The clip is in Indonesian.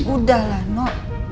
udah lah no